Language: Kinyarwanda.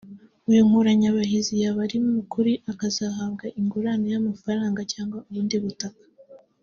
uyu Nkuranyabahizi yaba ari mu kuri akazahabwa ingurane y’amafaranga cyangwa ubundi butaka